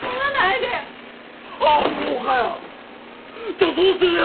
じゃあそうするよ！